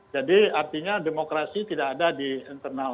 jadi artinya demokrasi tidak ada di internal demokrat